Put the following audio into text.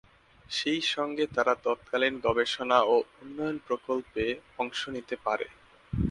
সেই সঙ্গে তারা তৎকালীন গবেষণা ও উন্নয়ন প্রকল্পে অংশ নিতে পারে।